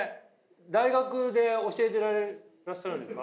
大学で教えてらっしゃるんですか？